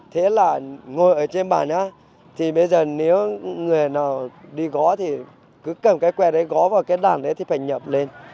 thế là ngồi ở trên bàn nhá thì bây giờ nếu người nào đi gõ thì cứ cầm cái que đấy gõ vào cái đàn đấy thì phải nhập lên